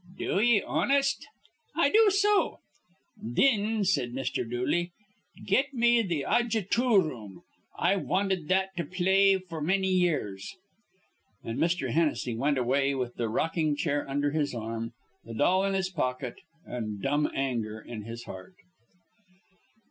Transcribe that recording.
"Do ye, honest?" "I do so." "Thin," said Mr. Dooley, "get me th' Audjitooroom. I've wanted that to play with f'r manny years." And Mr. Hennessy went away with the rocking chair under his arm, the doll in his pocket, and dumb anger in his heart.